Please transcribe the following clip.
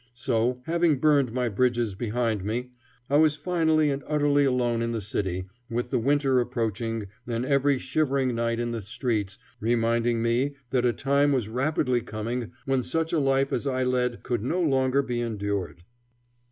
So, having burned my bridges behind me, I was finally and utterly alone in the city, with the winter approaching and every shivering night in the streets reminding me that a time was rapidly coming when such a life as I led could no longer be endured.